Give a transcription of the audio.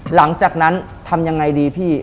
หลังจากนั้นทำยังไงดีพี่